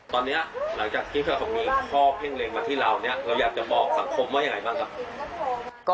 ตอนนี้หลังจากที่มีข้อเพ่งเล็งมาที่เราเนี่ยเราอยากจะบอกสังคมว่ายังไงบ้างครับ